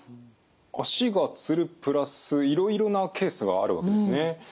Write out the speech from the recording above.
足がつる＋いろいろなケースがあるわけですね。